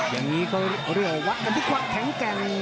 อย่างนี้เขาเรียกวัดกันดีกว่าแขนแก่ง